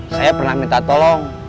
saya pernah minta tolong